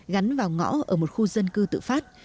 gắn vào ngõ ở một khu dân cư tự phát